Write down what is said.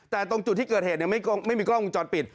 แต่ตรงจุดที่เกิดเหตุไม่มีกล้องวงจรปิด